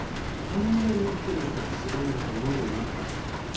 こんなに生きてることがすごいんだと思えるようになったから。